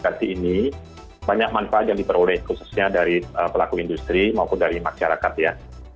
di banyak manfaat yang diperoleh khususnya dari pelaku industri maupun dari masyarakat ya